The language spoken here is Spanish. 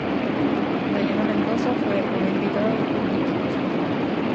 Dayana Mendoza fue una invitada del concurso.